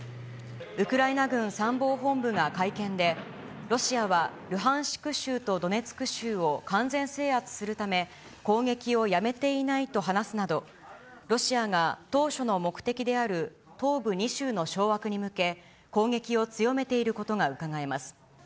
ウクライナ軍参謀本部が会見で、ロシアはルハンシク州とドネツク州を完全制圧するため、攻撃をやめていないと話すなど、ロシアが当初の目的である東部２州の掌握に向け、攻撃を強めていることがうかがえます。